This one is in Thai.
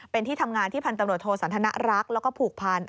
เป็นที่ทำงานที่พันตำรวจโทสันทนรักแล้วก็ผูกพัน